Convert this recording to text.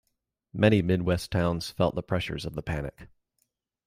Many Midwest towns felt the pressures of the Panic.